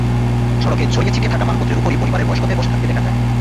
সড়কে ছড়িয়ে-ছিটিয়ে থাকা মালপত্রের ওপরেই পরিবারের বয়স্কদের বসে থাকতে দেখা যায়।